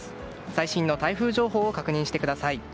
最新の台風情報を確認してください。